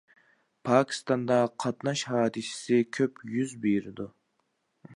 پاكىستاندا قاتناش ھادىسىسى كۆپ يۈز بېرىدۇ.